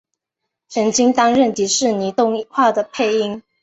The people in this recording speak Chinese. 曾经担任迪士尼动画的配音。